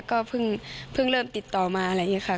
ก็เพิ่งเริ่มติดต่อมาอะไรอย่างนี้ค่ะ